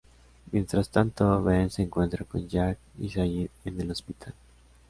Mientras tanto, Ben se encuentra con Jack y Sayid en el hospital.